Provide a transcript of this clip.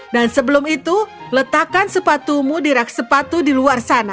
dan sebelum itu letakkan sepatumu di rak sepatu di luar sana